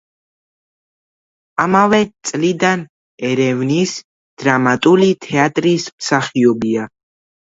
ამავე წლიდან ერევნის დრამატული თეატრის მსახიობია.